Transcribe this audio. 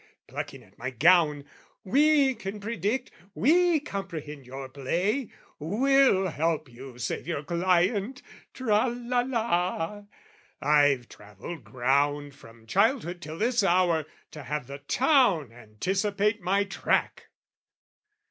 (plucking at my gown) "We can predict, we comprehend your play, "We'll help you save your client." Tra la la! I've travelled ground, from childhood till this hour, To have the town anticipate my track!